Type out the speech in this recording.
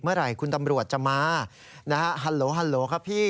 เมื่อไหร่คุณตำรวจจะมานะฮะฮัลโหลฮัลโหลครับพี่